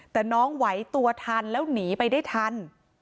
แต่น้องไหวตัวทันแล้วหนีไปได้ทัน